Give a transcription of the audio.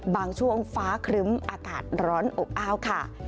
บางช่วงฟ้าครึ้มอากาศร้อนอบอ้าวค่ะ